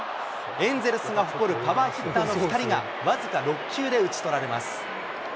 エンゼルスが誇るパワーヒッターの２人が、僅か６球で打ち取られます。